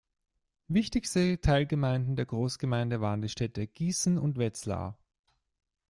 Wichtigste Teilgemeinden der Großgemeinde waren die Städte Gießen und Wetzlar.